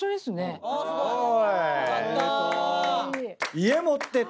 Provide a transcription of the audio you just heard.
家持ってて。